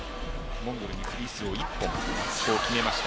モンゴルにフリースロー１本決めました。